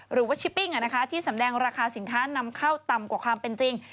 หรือว่าชิปปิ้งที่สำแดงราคาสินค้านำเข้าต่ำกว่าความเป็นจริง